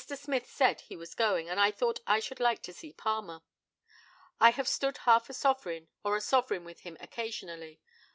Smith said he was going, and I thought I should like to see Palmer. I have stood half a sovereign or a sovereign with him occasionally.